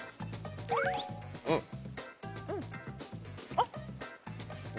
あっ！